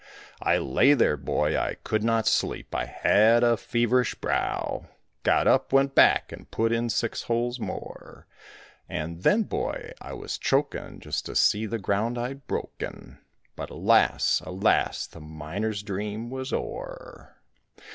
I lay there, boy, I could not sleep, I had a feverish brow, Got up, went back, and put in six holes more. And then, boy, I was chokin' just to see the ground I'd broken; But alas! alas! the miner's dream was o'er.